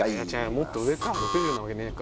もっと上か６０なわけねえか